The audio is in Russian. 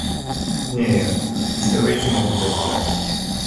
Нет, уж давайте мы туда-сюда.